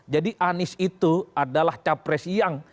jadi anies itu adalah capres yang